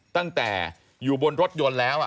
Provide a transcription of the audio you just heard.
ถ้าเขาถูกจับคุณอย่าลืม